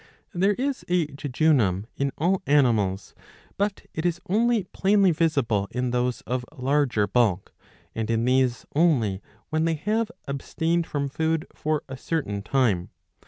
. There is a jejunum in all animals, but it is only plainly, visible in those of larger bulk, and in these only when they have abstained from food for a certain time.